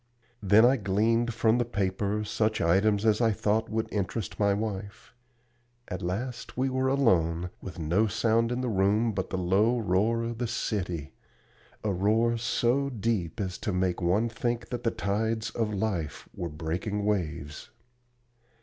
Then I gleaned from the paper such items as I thought would interest my wife. At last we were alone, with no sound in the room but the low roar of the city, a roar so deep as to make one think that the tides of life were breaking waves.